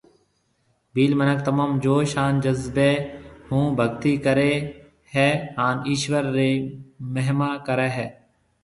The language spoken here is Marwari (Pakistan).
ڀيل منک تموم جوش هان جذبيَ هون ڀگتِي ڪري هي هان ايشور رِي مهما ڪريَ هيَ